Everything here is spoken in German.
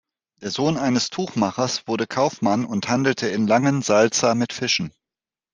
Der Sohn eines Tuchmachers wurde Kaufmann und handelte in Langensalza mit Fischen.